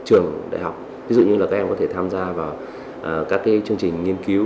trường đại học ví dụ như là các em có thể tham gia vào các chương trình nghiên cứu